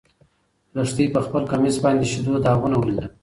لښتې په خپل کمیس باندې د شيدو داغونه ولیدل.